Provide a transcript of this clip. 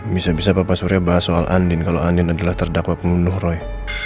bisa bisa papa suri bahas soal andin kalau andin adalah terdakwa pembunuh roy